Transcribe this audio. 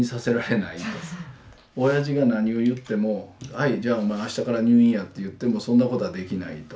オヤジが何を言っても「はいじゃあお前あしたから入院や」って言ってもそんなことはできないと。